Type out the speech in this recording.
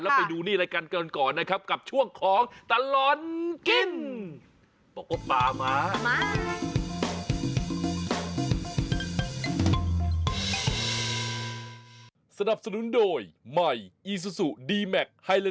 แล้วไปดูนี่รายการก่อนก่อนนะครับกับช่วงของตลอดกินปลาหมาปลาหมา